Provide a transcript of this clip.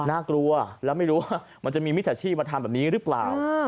น่ากลัวแล้วไม่รู้ว่ามันจะมีมิจฉาชีพมาทำแบบนี้หรือเปล่า